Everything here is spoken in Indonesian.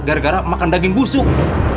gara gara makan daging busuk